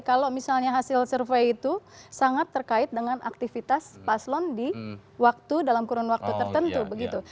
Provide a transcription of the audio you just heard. kalau misalnya hasil survei itu sangat terkait dengan aktivitas paslon di waktu dalam kurun waktu tertentu begitu